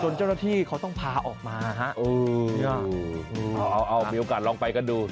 เจ้าหน้าที่เขาต้องพาออกมาฮะเอาเอามีโอกาสลองไปกันดู